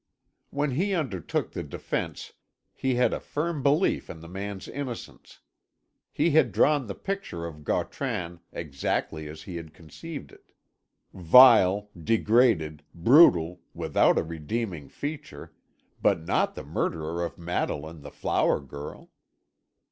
When he undertook the defence he had a firm belief in the man's innocence. He had drawn the picture of Gautran exactly as he had conceived it. Vile, degraded, brutal, without a redeeming feature but not the murderer of Madeline the flower girl.